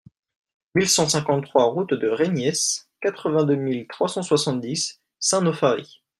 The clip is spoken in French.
mille cent cinquante-trois route de Reyniès, quatre-vingt-deux mille trois cent soixante-dix Saint-Nauphary